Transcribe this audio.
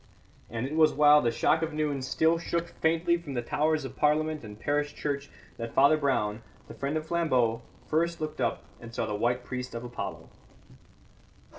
And it was while the shock of noon still shook faintly from the towers of Parliament and parish church that Father Brown, the friend of Flambeau, first looked up and saw the white priest of Apollo.